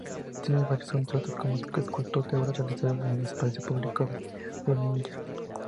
Tiene varios contratos como escultor de obras realizadas en el espacio público de Groninga.